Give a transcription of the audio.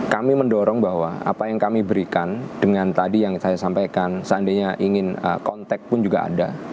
kami mendorong bahwa apa yang kami berikan dengan tadi yang saya sampaikan seandainya ingin kontak pun juga ada